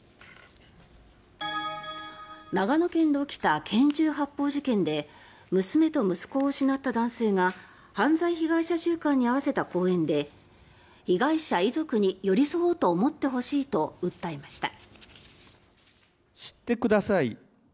長野県で起きた拳銃発砲事件で娘と息子を失った男性が犯罪被害者週間に合わせた講演で被害者・遺族に寄り添おうと思ってほしいと訴えました。